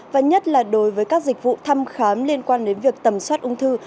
và nhất là đối với các dịch vụ thăm khám liên quan đến việc tầm soát ung thư